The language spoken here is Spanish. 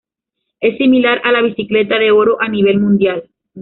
Es similar a la Bicicleta de Oro a nivel mundial.